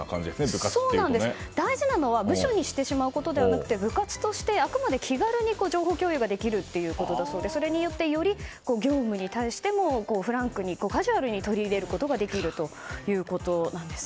大事なのは部署にしてしまうのではなく部活としてあくまで気軽に情報共有ができるということだそうでそれによって、より業務に対してフランクにカジュアルに取り入れることができるということなんです。